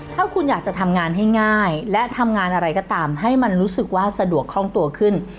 ถ้าคุณอยากจะทำงานให้ง่ายและทำงานอะไรก็ตามให้มันรู้สึกว่าสะดวกคล่องตัวขึ้น